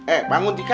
eh bangun tika